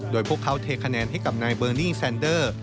โดยพวกเขาเทคะแนนให้กับนายเบอร์นี่แซนเดอร์